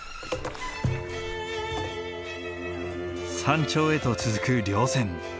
山頂へと続く稜線。